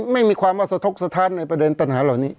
ไม่มีความว่าสะทกสะท้านในประเด็นปัญหาเหล่านี้